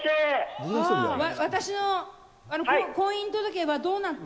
私の婚姻届はどうなった？